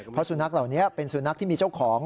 เพราะสุนัขเหล่านี้เป็นสุนัขที่มีเจ้าของ